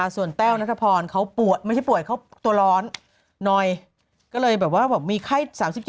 ส่วนแต้วนัทพรเขาไม่ใช่ป่วยเขาตัวร้อนหน่อยก็เลยแบบว่ามีไข้๓๗